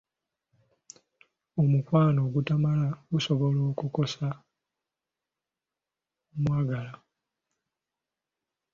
Omukwano ogutamala gusobola okukozza omwagalwa.